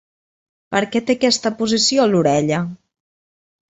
Per què té aquesta posició l'orella?